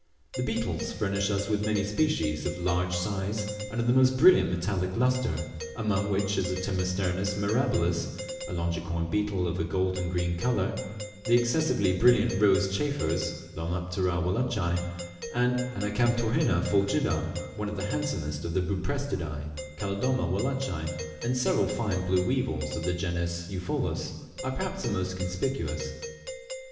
The beetles furnish us with many species of large size, and of the most brilliant metallic lustre, among which the Tmesisternus mirabilis, a longicorn beetle of a golden green colour; the excessively brilliant rose chafers, Lomaptera wallacei and Anacamptorhina fulgida; one of the handsomest of the Buprestidae, Calodema wallacei; and several fine blue weevils of the genus Eupholus, are perhaps the most conspicuous.